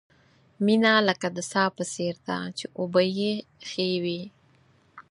مینه لکه د څاه په څېر ده، چې اوبه یې ښې وي.